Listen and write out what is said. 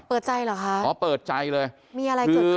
เปิดใจเหรอคะอ๋อเปิดใจเลยมีอะไรเกิดขึ้น